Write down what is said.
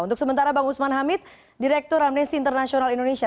untuk sementara bang usman hamid direktur amnesty international indonesia